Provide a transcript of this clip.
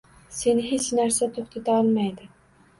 Seni hech narsa to‘xtata olmaydi!